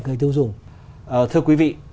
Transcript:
người tiêu dùng thưa quý vị